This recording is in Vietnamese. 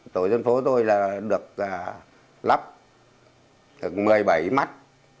tổ dân phố tôi được lắp một mươi bảy mắt